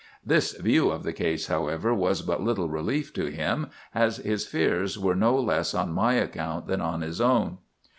"This view of the case, however, was but little relief to him, as his fears were no less on my account than on his own.